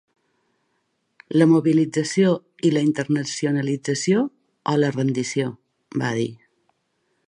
La mobilització i la internacionalització o la rendició, va dir.